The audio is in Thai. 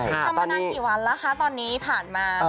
ทำมานานกี่วันแล้วคะตอนนี้ผ่านมา